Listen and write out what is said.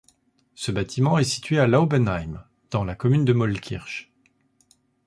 Ce bâtiment est situé à Laubenheim, dans la commune de Mollkirch.